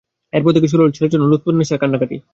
এর পর থেকে শুরু হলো ছেলের জন্য লুৎফুন্নেছার কান্নাকাটি।